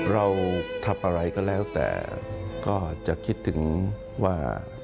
เราทำอะไรก็แล้วแต่ก็จะคิดถึงว่า